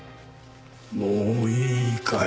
もういいかい？